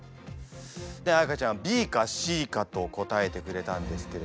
で彩歌ちゃんＢかＣかと答えてくれたんですけれども。